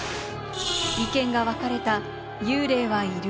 意見がわかれた幽霊はいる？